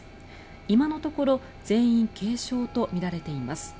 今のところ全員軽傷とみられています。